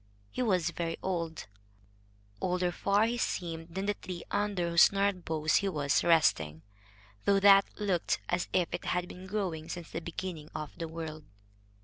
He was very old, older far he seemed than the tree under whose gnarled boughs he was resting, though that looked as if it had been growing since the beginning of the world.